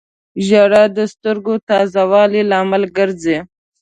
• ژړا د سترګو تازه والي لامل ګرځي.